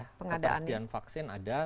ketersediaan vaksin ada